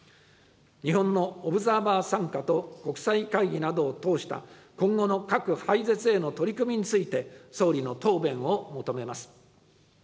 日本のオブザーバー参加と、国際会議などを通した今後の核廃絶への取り組みについて、総理の答弁を求めます。